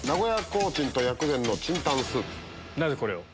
なぜこれを？